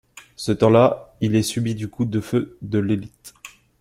Ce temps là il est subi du coup de feu de l'élite.